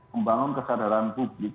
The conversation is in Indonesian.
membangun kesadaran publik